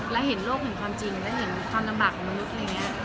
และเห็นโลกถึงความจริงและเห็นความลำบากของมนุษย์